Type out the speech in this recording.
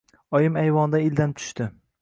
Oyim ayvondan ildam tushdi.